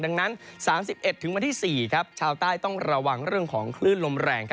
ดังนั้น๓๑๔ชาวใต้ต้องระวังเรื่องของคลื่นลมแรง